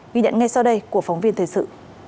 ghi nhận ngay sau đây của phóng viên thời sự